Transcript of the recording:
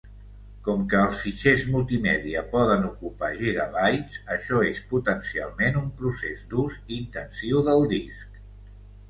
Com que els fitxers multimèdia poden ocupar gigabytes, això és potencialment un procés d'ús intensiu del disc.